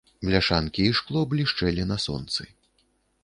Бляшанкі і шкло блішчэлі на сонцы.